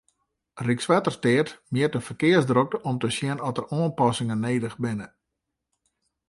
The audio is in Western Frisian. Rykswettersteat mjit de ferkearsdrokte om te sjen oft der oanpassingen nedich binne.